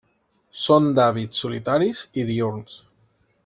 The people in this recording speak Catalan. Són d'hàbits solitaris i diürns.